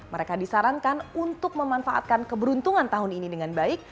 mereka disarankan untuk memanfaatkan keberuntungan tahun ini dengan baik